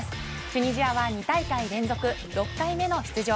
チュニジアは２大会連続６回目の出場。